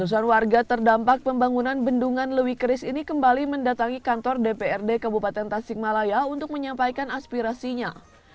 ratusan warga terdampak pembangunan bendungan lewi keris ini kembali mendatangi kantor dprd kabupaten tasikmalaya untuk menyampaikan aspirasinya